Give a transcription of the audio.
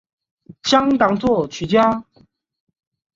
香港作曲家。